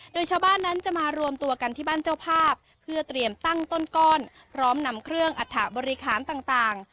โดยชาวบ้านนั้นจะมารวมตัวกันที่บ้านเจ้าภาพเพื่อเตรียมตั้งต้นก้อนพร้อมนำเครื่องอัฐบริหารต่าง